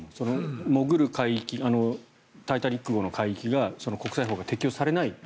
潜る海域「タイタニック号」の海域が国際法が適用されない。